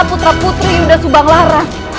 putra putri udah subang lara